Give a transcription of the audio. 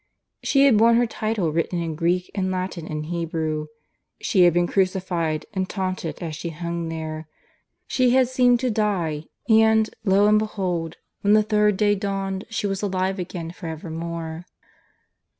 She had borne her title written in Greek and Latin and Hebrew. She had been crucified, and taunted as she hung there; she had seemed to die; and, to and behold! when the Third Day dawned she was alive again for evermore.